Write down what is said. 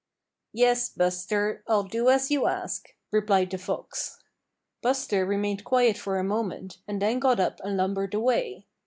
"Yes, Buster, I'll do as you ask," replied the Fox. Buster remained quiet for a moment, and then got up and lumbered away.